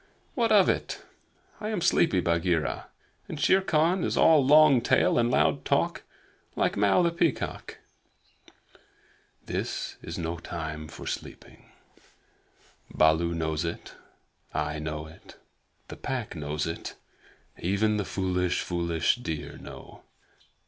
"What of it? I am sleepy, Bagheera, and Shere Khan is all long tail and loud talk like Mao, the Peacock." "But this is no time for sleeping. Baloo knows it; I know it; the Pack know it; and even the foolish, foolish deer know.